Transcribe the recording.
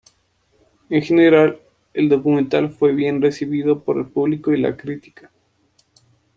En general, el documental fue bien recibido por el público y la crítica.